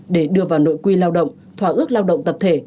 để đưa vào nội quy lao động thỏa ước lao động tập thể